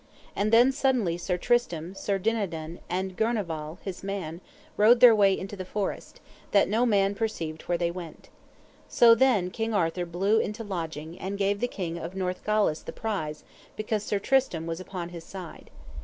And then suddenly Sir Tristram, Sir Dinadan, and Gouvernail, his man, rode their way into the forest, that no man perceived where they went. So then King Arthur blew unto lodging, and gave the King of Northgalis the prize because Sir Tristram was upon his side.